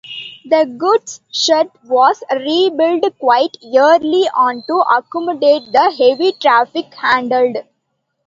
The goods shed was rebuilt quite early on to accommodate the heavy traffic handled.